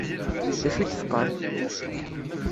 D acu i d-teqqaṛ?